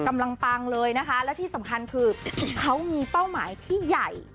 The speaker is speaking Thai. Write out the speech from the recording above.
ปังเลยนะคะและที่สำคัญคือเขามีเป้าหมายที่ใหญ่